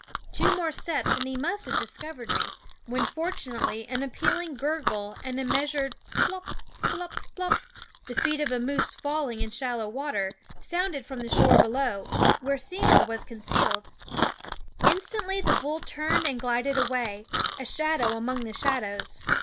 Two more 296 Jlfffie Sound at & SCHOOL OF steps and he must have discovered me, when fortunately an appealing gurgle and a meas ured plop, plop, plop the feet of a moose falling in shallow water sounded from the shore below, where Simmo was concealed. Instantly the bull turned and glided away, a shadow among the shadows.